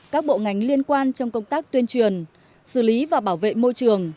các bộ ngành liên quan trong công tác tuyên truyền xử lý và bảo vệ môi trường